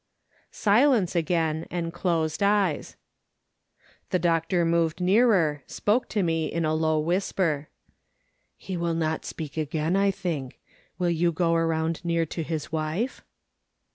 Silence again, and closed eyes. The doctor moved nearer, spoke to me in a low whisper : "He will not speak again, I think. AVill you go around near to his wife